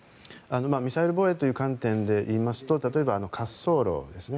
ミサイル防衛という観点でいいますと例えば、滑走路ですね。